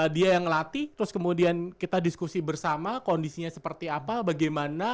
dia yang ngelatih terus kemudian kita diskusi bersama kondisinya seperti apa bagaimana